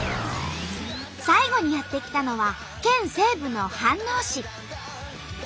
最後にやって来たのは県西部の飯能市。